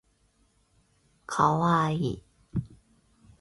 那個小娃娃很可愛